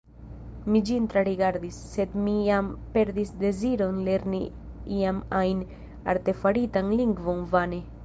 Mi ĝin trarigardis, sed mi jam perdis deziron lerni iam ajn artefaritan lingvon vane.